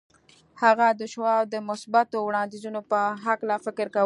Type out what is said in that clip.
هغه د شواب د مثبتو وړاندیزونو په هکله فکر کاوه